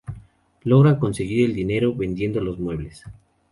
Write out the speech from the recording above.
Logran conseguir el dinero vendiendo los muebles.